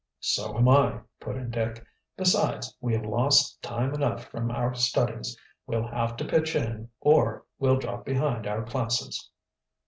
"So am I," put in Dick. "Besides, we have lost time enough from our studies. We'll have to pitch in, or we'll drop behind our classes."